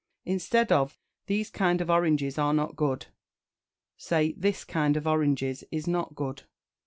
Instead of "These kind of oranges are not good," say "This kind of oranges is not good."